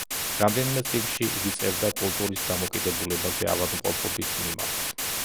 რამდენიმე წიგნში იგი წერდა კულტურის დამოკიდებულებაზე ავადმყოფობის მიმართ.